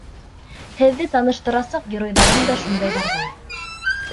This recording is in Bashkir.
Һеҙҙе таныштырасаҡ геройҙарым да шундайҙарҙан.